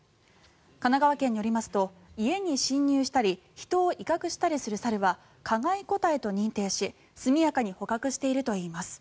神奈川県によりますと家に侵入したり人を威嚇したりする猿は加害個体と認定し速やかに捕獲しているといいます。